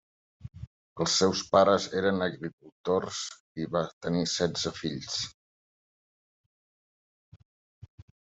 Els seus pares eren agricultors i va tenir setze fills.